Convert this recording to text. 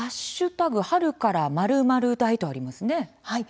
春から○○大とありますね。